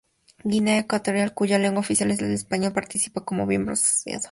Guinea Ecuatorial, cuya lengua oficial es el español, participa como miembro asociado.